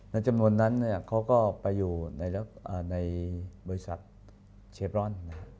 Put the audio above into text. จำนวนนั้นเขาก็ไปอยู่ในบริษัทเชฟรอน